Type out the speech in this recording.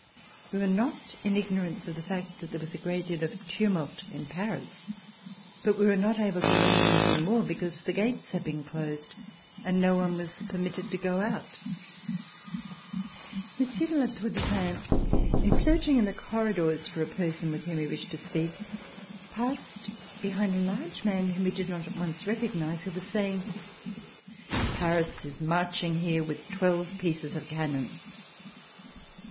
We were not in ignorance of the fact that there was a great deal of tumult in Paris; but we were not able to learn anything more, be cause the gates had been closed and no one was permitted to go out. Monsieur de La Tour du Pin, in searching in the corridors for a person with whom he wished to speak, passed behind a large man whom he did not at once recognize, who was saying: " Paris is marching here with twelve pieces of cannon."